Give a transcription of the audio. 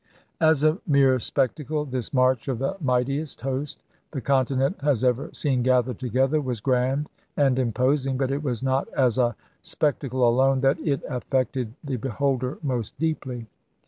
As a mere spectacle, this march of the mightiest host the continent has ever seen gathered together was grand and imposing, but it was not as a spec tacle alone that it affected the beholder most deeply.